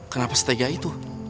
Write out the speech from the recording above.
kenapa setegah itu